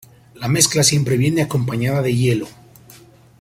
La mezcla siempre viene acompañada de hielo.